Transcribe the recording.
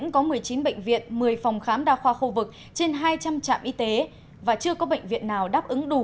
có một mươi chín bệnh viện một mươi phòng khám đa khoa khu vực trên hai trăm linh trạm y tế và chưa có bệnh viện nào đáp ứng đủ